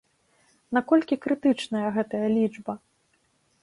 Наколькі крытычная гэтая лічба?